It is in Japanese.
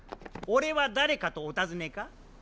俺は誰かとお尋ねか？